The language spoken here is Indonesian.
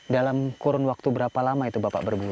dalam kurun waktu berapa lama itu bapak berburu